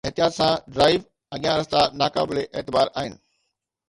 احتياط سان ڊرائيو! اڳيان رستا ناقابل اعتبار آهن.